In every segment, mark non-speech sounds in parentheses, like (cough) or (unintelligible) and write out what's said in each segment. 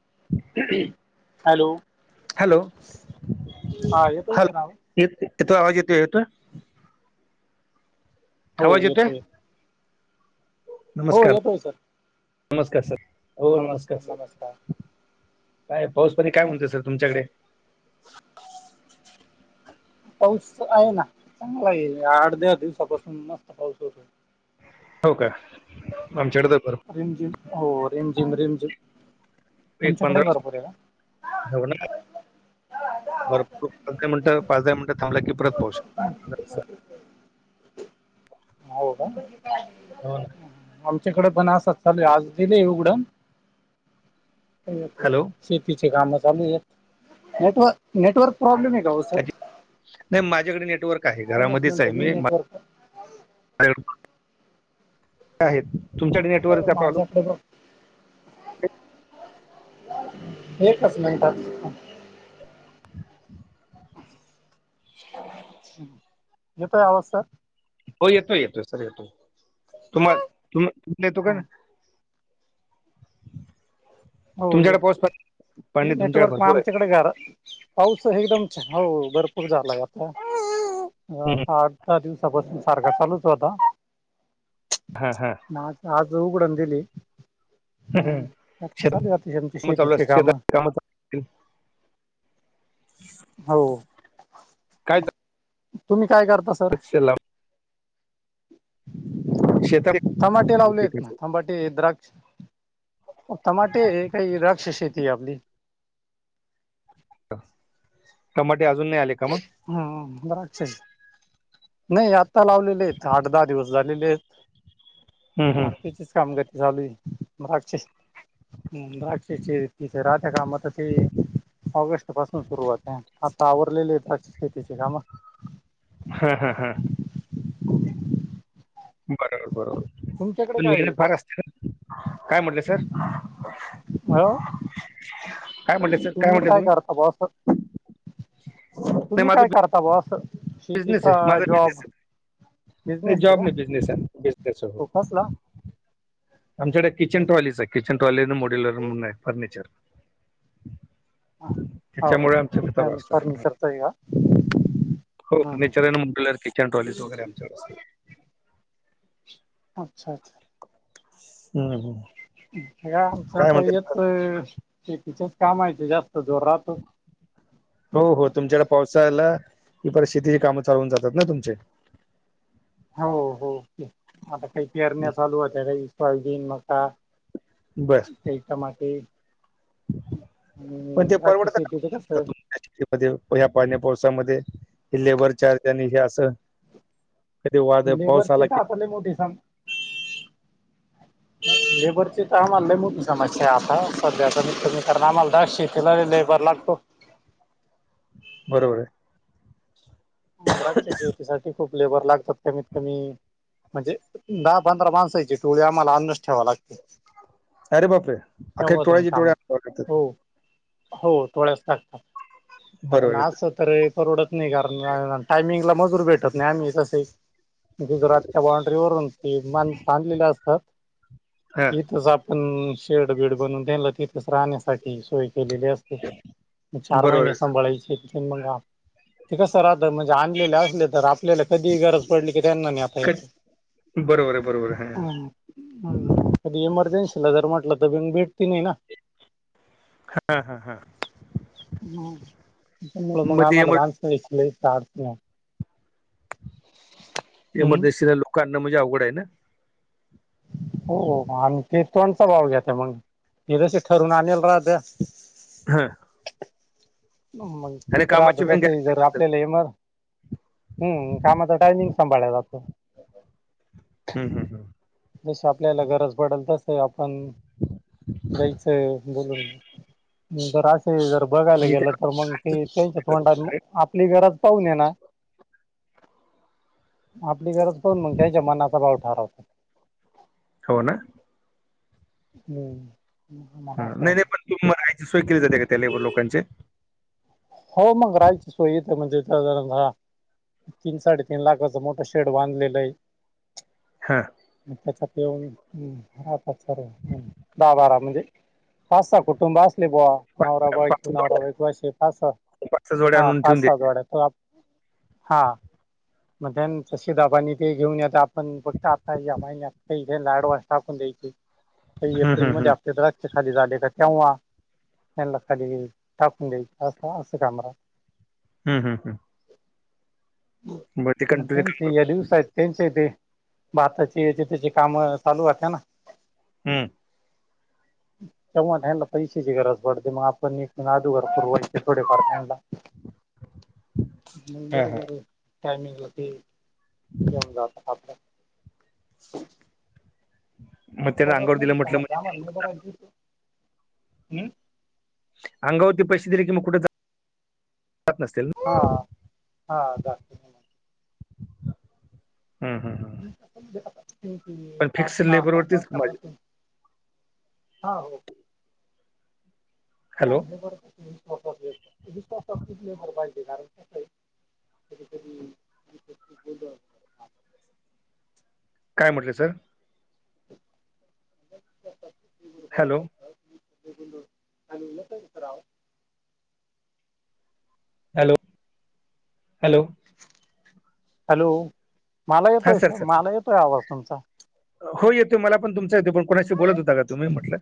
(unintelligible) Hello! Hello, हा येतोय hello sir आवाज येतो, येतो आवाज येतोय? हो येतोय. हो नमस्कार, येतोय सर नमस्कार सर हो नमस्कार, सर नमस्कार. काय पाऊस पाणी काय म्हणतोय सर तुमच्याकडे? पाऊस आहे ना चांगला आहे, या आड दहा दिवसापासून मस्त पाऊस होतोय. हो का आमच्याकडे तर भर रिम झिम, हो रिम झिम, रिम झिम. (inaudible) भरपूर पाच दहा मिनिटं, पाच दहा मिनिटं थांबला की परत पाऊस का येतो. (inaudible) होऊ का. (inaudible) ह़ोना. आमच्याकडे पण असच चालूये आज दिलंय उघडन. हॅलो शेतीची कामं चालू हेत, नेटवं नेटवर्क प्रॉब्लेम आहे का हो सर.? काकी- नाही माझ्याकडे नेटवर्क आहे दोनच घरामध्येच आहे मिनटं मी... नेटवर्क माझ्याकडे आहेत तुमच्याकडे. नेटवर्क बर काय प्रॉब्लेम माझ्याकडे बघ एकच मिनटात. (unintelligible) हं येतोय आवाज सर? हो येतोय, येतोय. सर येतोय तुम्हा तुम्हांला येतो का? हो तुमच्याकडे येतो. पाऊस पाणी पाणी तुमच्याकडे नेटवर्क भरपूर आहे आमच्याकडं घरा पाऊस एकदम च हो, हो भरपूर झालाय आता. हं, हं. दहा दिवसापासनं सारखा चालूच होता. हा हा. ना आज-आज उघडंण दिली. ह हम्म. आता शेतात चालू आहे आता आमची काम चालू शेतीचे असत, शेतातली कामं चालू (unintelligible) हो, काय तुम्हीं काय करता सर? त्याला शेतात तमाटे लावले आहेत ना, पिकाचं तबाटे. हे द्राक्ष टमाटे आहे का द्राक्ष शेती आहे आपली. टमाटे अजून नाही आले का मग? हा द्राक्षची नाही आता लावलेले आहेत आठ -दहा दिवस झालं. लावलेले आहेत हम्म, हम्म. मातीचेच काम करते चालू आहे. द्राक्षे हुं.. द्राक्षाची. तिचे राहत्या कामतचे ऑगस्ट पासून सुरुवात आहे, आता उरलेले आहे द्राक्ष शेतीची कामं. हा, हा, हा. बरोबर, तुमच्याकडे बरोबर. काय मेहनत फार असती ना, काय म्हटला सर? (inaudible) तुम्हीं म्हटलं काय तुम्ही करता बॉस, नाही तुम्ही माझं काय करता बॉस? शेती बिझनेस का आहे, माझा जॉब बिझनेस आहे. हे बिझनेस आहे जॉब का नाही, बिजनेस आहे बिजनेस हे तो हो. कसला आमच्याकडे किचन हो ट्रॉलीच आहे, किचन ट्रॉली मॉड्युलर म्हणून आहे फर्निचर. त्याच्यामुळे आमच्या (unintelligible) असतं चई हा. हो फर्निचर आहे किचन ट्रॉली वगैरे आमच्याकडं. अच्छा, अच्छा. हं.. हं.. सगळं आमच्या आता याच शेतीचंच कामायाचं जास्त जोरात. हो, हो. तुमच्याकडं पावसाळा आला की, परत शेतीची कामं चालू होऊन जातात ना तुमचे. हो, हो. आता काही परण्या चालू होत्यात सोयाबीन, मक्का. बर काही टमाटे. आणि पण ते द्राक्ष परवडतं शेतीच कस का तुमच्या ह्या पाण्या-पावसामध्ये ते लेबर चार्ज आणि हे असं कधी वाद पाऊस लेबरचे आला तर की आपले मोठे सांग (inaudible) लेबरची तर आम्हाला लय मोठी समस्या आहे आता सध्यातरी तुम्ही कारण आम्हाला दहा शेतीला लेबर लागतो. बरोबर आहे. द्राक्षाच्या शेतीसाठी खूप लेबर लागतात कमीत कमी म्हणजे दहा पंधरा माणसाची टोळी आम्हाला आणूनच ठेवावी लागते. अरे बापरे अख्या तेव्हा टोळ्या जाऊन किती काम लागतात तिथं. हो हो टोळ्याच टाकतात बरोबर कारण आहे सर असं तर परवडत नाही घरा टायमिंगला मजूरी भेटत नाही आम्ही तस. गुजरातच्या बांड्री वरून ते माणसं आणलेली असतात. हा पण शेड बीड बनवून त्यान्ला तिथेच राहण्यासा तेचि सोय केलेली असते म चार बरोबर महिने आहे सांभाळायचे असते मग आ ते कसं राहतं म्हणजे आणलेले असले तर आपल्याला कधी गरज पडली की त्यांना न्हेता सर येत. क- बरोबर आहे बरोबर आहे ह. हम्म हम्म पण एमर्जन्सिला जरी म्हंटल तर कोणी भेटत नाही ना. हा हा हा. मग तूम्हाला मग ते आम्हाला एमर आयत्या वेळेस लय ताप हम्म. एमर्जनसीच्या लोकांना म्हणजे अवघड आहे ना. हो आणि ते त्यांचा भाव घेते मग ते जशी ठरवून आणेल तवा द्या. होय. कामाची पण गॅरंटी (unintelligible) नसतात चले मग हम्म कामाचा टायमिंग सांभाळला जातो. हम्म हम्म हम्म. जस आपल्याला गरज पडल तस आहे आपण. जायचंय बोलून मग बघायला म्हणजे गेलं त्या तर मग. लोकांचं ते सोय त्यांच्या तोंडात म करतात. आपली गरज पाहली ना. आपली गरज पाहून मग त्यांच्या मनाचा भाव ठरवतात. हो ना. हम्म. ह नाही नाही पण तुम्ही राहायची सोय केली जाते का त्या लेबर लोकांची. हो मग राहायची सोय इथं म्हणजे त्या. तीन साडे तीन लाखाच मोठं शेड बांधलेलं आहे. हां. म त्याच्यात राहतात सर्व मुले दहा बारा म्हणजे पाच सहा कुटुंब असले बुआ नवरा पाच पाच बायको नवरा जोड्या बायको अशी पाच सहा पाच जोड्या हा आणून ठेवून पाच सहा देते जोड्या. हा. मध्यानि तशी दाबानी ते घेऊन आता आपण फक्त आता हाताने दाबायचे इथं लाड वाश टाकून द्यायची. (inaudible) एप्रिल हम्म. मध्ये आपले ट्रक खाली जाले का तेव्हा त्यान्ला खाली घ्यायचे टाकून द्यायचे. पाच सहा असं कमरा हम्म हम्म हम्म. म मग ते म कंटिन्यू काम त्यांच्या करत या दिवसाची. त्यांचे ते भाताची ह्याची त्याची काम चालू राहतात ना. हम्म. तेव्हा आता ह्यांला पैशाची गरज पडते मग आपण इथनं म अदूघर पुरवायचं. थोडं फार त्यान्ला मग हा, हा. बरोबर आहे. टायमिंग ला ते येऊन जाता. आपण मग त्यानं परत अंगावर दिलं नाही म्हटलं म्हणजे (unintelligible) हम्म, अंगावरती पैसे दिले कि मग कुठ जात, जातं नसतील न, हा हा, जात हं हं हं, (unintelligible) सात लेबरवरतीच वाजता माझे बस आहे. हा, हो. हां, हॅलो हे बरोबर. विश्वासातलेस विश्वासातले (unintelligible) कधी कधी बोल काय म्हटले सर? हॅलो, (unintelligible) राव हॅलो हॅलो, हॅलो, माला येतोय सर, माला येतोय आवाज तुमचा. हो येतोय मला पण तुमचा येतोय. पण कोणाशी बोलत होता का तुम्ही म्हटलं?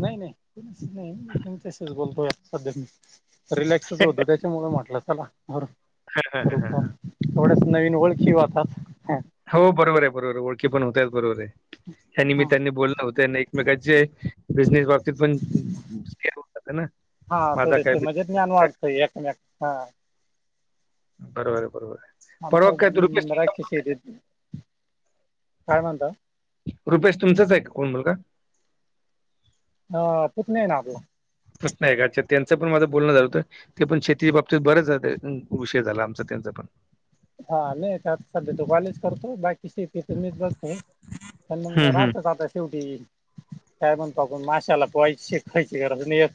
नाही नाही कोणाशीच नाही, तुमच्याशीच बोलतोय सध्या मी. रिलॅक्सच होतो त्याच्या त्यामुळ म्हटलं चला (unintelligible) हा, हा, करू हा, कॉल हा. एवढ्याच नवीन ओळखी होतात. हो बरोबर आहे बरोबर आहे ओळखी पण होत्यात बरोबर आहे. या निमित्ताने बोलणं होतय. मेकाचे बिझनेस बाबतीत पण हे होऊन जातं न, हा माझा काय थोडेसे म्हणजे ज्ञान काय वाढतंय. एकमेक हा, बरोबर आहे बरोबर आहे परवा काय तो रुपेश आमचं राकि तुमचा- शेड्युल काय म्हणता? रुपेश तुमचाच आहे कोण मुलगा? ह, पुतण्या आहे ना आपला. पुतण्या आहे का, अच्छा त्यांच पण माझं बोलणं झालतं. ते पण शेती बाबतीत बरच झालंय. विषय झाला आमचा त्यांचा पण हा नाही, त्यात सध्या तो काॅलेज करतोय. बाकी शेतीत मीच बघतोय. मग हम्म हम्म. राहतच आता शेवटी काय म्हणतो, आपण माश्याला पोहायची शिकखायची गरज नाही येत.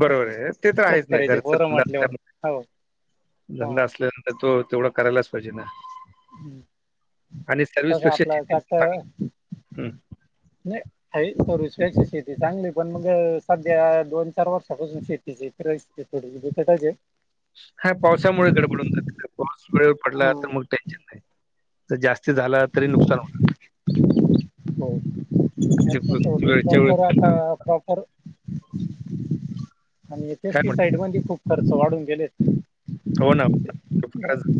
बरोबर आहे ते त आहेच नाही. घरचा पोरं धंदा म्हटल्यावर असल्यामुळे, हो हा धंदा असल्यान तो तेवढा करायलाच पाहिजे ना, हं, आणि सर्व्हिस तस पेक्षा आपलं शेती पण तात, चांगली नाही आहे सर्विस त्यापेक्षा शेती चांगली. पण मग सध्या दोन, चार वर्षापासून शेतीची परिस्थिती थोडी बिकटच हे. हा पावसामुळे गडबडून जात. (unintelligible) पाऊस वेळेवर हा पडला तर मग टेन्शन नाही. जास्त झाला तरी नुकसान होतं. हो. (unintelligible) ते वेळच्या वेळ आरू आणि काय म्हणत पेस्टिसाईड मध्ये खूप खर्च वाढून गेलेत. हो ना, (unintelligible)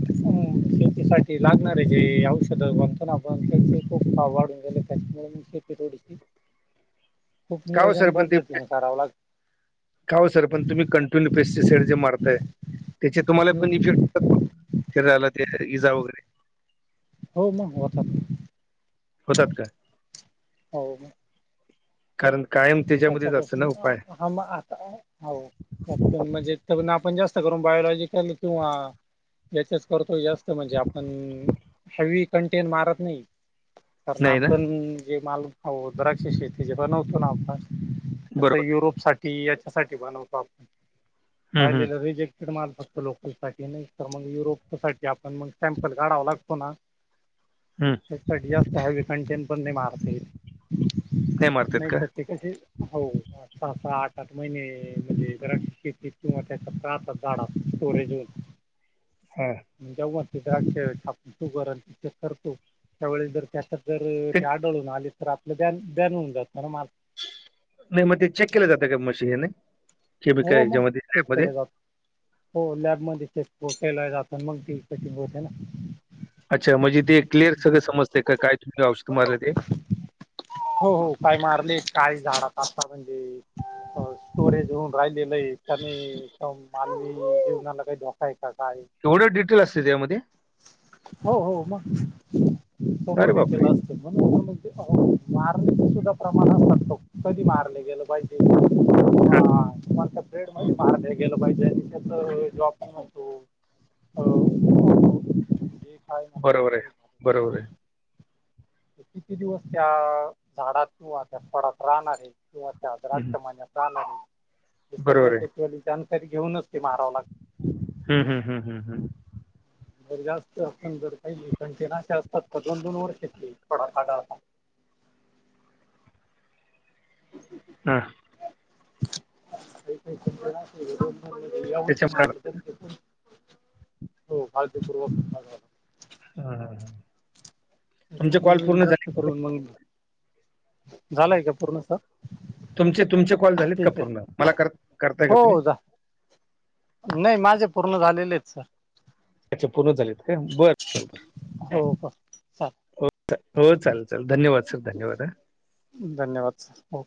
शेतीसाठी लागणारे जे औषधं म्हणतो ना आपण, त्याचे खूप भाव वाढून गेलेत. त्याचमुळे मग शेती थोडीशी खूप का हो नियोजन सर बद्धतीने कराव लाग कावो सर पण तुम्ही कंटिन्यू पेस्टिसाईड जे मारताय. त्याचे तुम्हाला पण हम्म, इफेक्ट, शरिराला इजा वगैरे हो मग होतात. होतात का? हो म. कारण कायम त्याच्यामध्येच असतं त्याच्यापासून ना उपाय. हा मग आता हो (unintelligible) म्हणजे (unintelligible) आपण जास्त करून, बायोलॉजीकल किंवा याचच करतो जास्त, म्हणजे आपण हेवी कंटेन मारत नाही. कारण नाही ना आपण जे माल, अहो द्राक्ष शेती जे बनवतो ना आपण कस बरोबर युरोप साठी याच्यासाठी बनवतो आपण, हम्म हम्म राहिलेलं रिजेक्ट माल फक्त लोकल साठी नाही, तर मग युरोपच्या साठी आपण मग सॅम्पल काढावं लागतो ना (inaudible) त्याच साठी जास्त हॅवी कंटेन पण नाही मारता येत. मारतात नाही का तर ते कसे हो (unintelligible) सहा सहा, आठ आठ, महिने म्हणजे द्राक्ष शेतीत किंवा त्याच्यात राहतात झाडात स्टोरेज होऊन. हम्. जेव्हा ते द्राक्ष आपण शुगर न ते चेक करतो त्यावेळी जर त्याच्यात जर ते आढळून आली तर आपलं, बॅन, बॅन हुन जात ना माल. नाही मग ते चेक केलं जातं का मशी याने? ते बी काय हो मग याच्यामध्ये चेक लॅबमध्ये? केलं जातं हो लॅबमध्ये चेक केला जात, मग तेची कटिंग होते ना. अच्छा म्हणजे ते क्लिअर सगळ समजते, क काय तुम्ही औषध मारले ते? हो हो काय मारले? काय झाडात आता म्हणजे स्टोरेज अ होऊन राहिलेलं आहे का नाही? मानवी जीवनाला काही धोका आहे का काय? एवढं डिटेल असते त्याच्यामध्ये? हो हो मग? सर्व अरे बापरे डिटेल असत. म्हणून त म ते (unintelligible) मारण्याच सुद्धा प्रमाण आसतात बघ. कधी मारले गेलं पाहिजे आ हा कोणत्या प्रेड मध्ये मारल गेलं पाहिजे, आणि त्याच जॉब म्हणतो अ, जे काय म्हणायचं बरोबर आहे, हे झालं तर बरोबर आहे. ते किती दिवस त्या झाडात किंवा त्या खोडात राहणार आहे किंवा त्या हम्म, द्राक्ष मन्यात जानार हे सगळं बरोबर आहे शेतवाली जानकारी घेऊनच ते मारावं लागत. हम्म हम्म हम्म हम् हम्. जर जास्त आपण जर पाहिले काही कंटेन असे असतात, तर दोन दोन वर्षे ते खोडात आढळता. हां. (inaudible) त्याच्या हा, (unintelligible) हा हा हा. त्याच्यामुळ जास्त का? करून मग, झालाय का पूर्ण सर? तुमचे तुमचे कॉल झालेत का ठीक आहे पूर्ण? मला कर करताय का तुम्ही? हो जा नाही, माझे पुर्ण झालेले आहेत सर. अच्छा! पूर्ण झालेत का? बर बर. हो का? हो हो चालेल चालेल धन्यवाद सर! धन्यवाद हा! धन्यवाद सर!